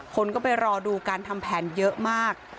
คนก็ไปรอดูการทำแผนเยอะมาก